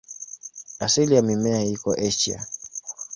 Asili ya mimea iko Asia.